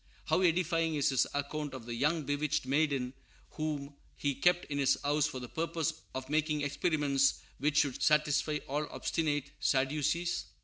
How edifying is his account of the young bewitched maiden whom he kept in his house for the purpose of making experiments which should satisfy all "obstinate Sadducees"!